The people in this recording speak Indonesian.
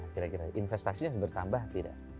kira kira investasinya bertambah tidak